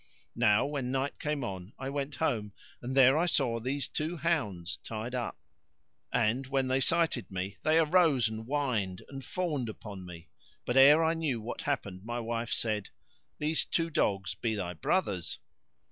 Now when night came on I went home, and there I saw these two hounds tied up; and, when they sighted me, they arose and whined and fawned upon me; but ere I knew what happened my wife said, "These two dogs be thy brothers!"